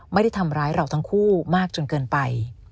ไม่ได้ทำร้ายเราทั้งคู่มากจนเกินไป